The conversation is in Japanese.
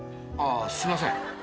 あすいません。